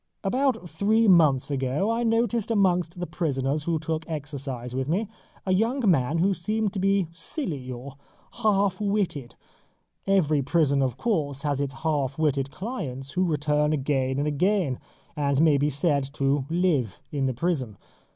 About three months ago, I noticed amongst the prisoners who took exercise with me a young man who seemed to me to be silly or half witted. Every prison of course has its half witted clients, who return again and again, and may be said to live in the prison.